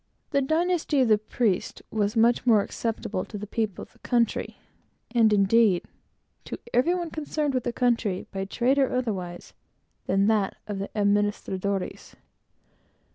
The dynasty of the priests was much more acceptable to the people of the country, and indeed, to every one concerned with the country, by trade or otherwise, than that of the administradores.